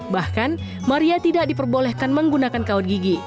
bahkan maria tidak diperbolehkan menggunakan kaot gigi